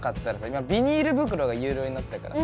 今ビニール袋が有料になったからさ